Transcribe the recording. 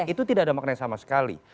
itu tidak ada maknanya sama sekali